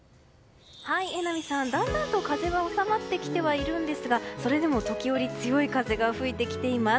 榎並さん、だんだんと風は収まってきてはいるんですがそれでも時折強い風が吹いています。